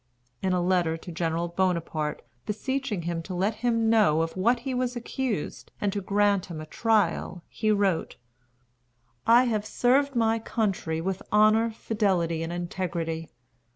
In a letter to General Bonaparte, beseeching him to let him know of what he was accused, and to grant him a trial, he wrote: "I have served my country with honor, fidelity, and integrity.